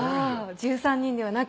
１３人ではなく。